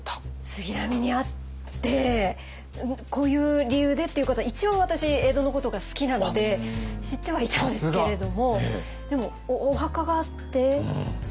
杉並にあってこういう理由でっていうことは一応私江戸のことが好きなので知ってはいたんですけれども。